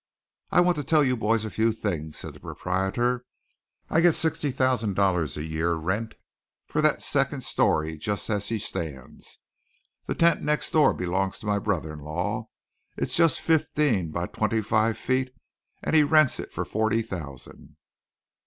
"I want to tell you boys a few things," said the proprietor, "I get sixty thousand dollars a year rent for that second story just as she stands. That tent next door belongs to my brother in law. It is just fifteen by twenty five feet, and he rents it for forty thousand."